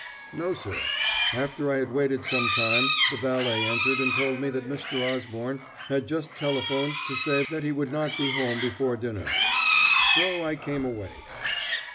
"No, sir. After I had waited some time the valet entered and told me that Mr. Osborne had just telephoned to say that he would not be home before dinner. So I came away."